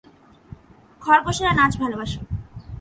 খরগোশেরা নাচ ভালোবাসে।